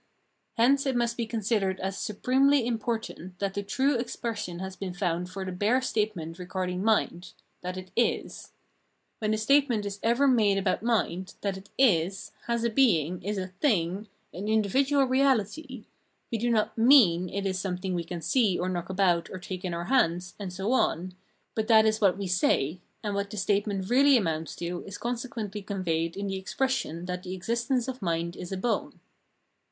Hence it must be considered as supremely important that the true expression has been found for the bare statement regarding mind — that it is. When the statement is ever made about mind, that it is, has a being, is a thing, an individual reahty, we do not mean it is some thing we can see, or knock about, or take in our hands, and so on, but that is what we say, and what the state ment really amounts to is consequently conveyed in the expression that the existence of mind is a bone.